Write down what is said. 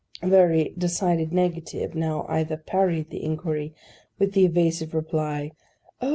a very decided negative, now either parried the inquiry with the evasive reply, 'Oh!